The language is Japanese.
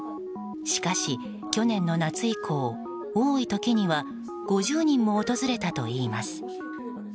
しかし、去年の夏以降多い時には５０人も訪れたといいます。